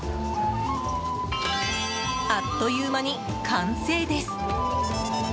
あっという間に完成です。